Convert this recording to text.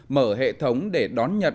mở hệ thống để đón nhận